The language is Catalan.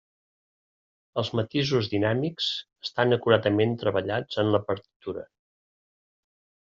Els matisos dinàmics estan acuradament treballats en la partitura.